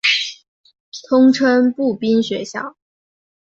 通称步兵学校。